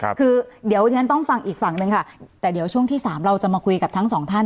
คือเดี๋ยวฉันต้องฟังอีกฝั่งนึงค่ะแต่เดี๋ยวช่วงที่สามเราจะมาคุยกับทั้งสองท่าน